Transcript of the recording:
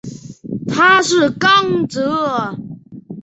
他是刚铎。